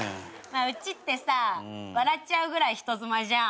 うちってさ笑っちゃうぐらい人妻じゃん？